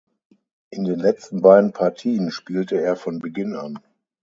In den letzten beiden Partien spielte er von Beginn an.